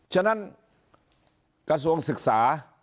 ฉะนั้นกระทรวงศึกษา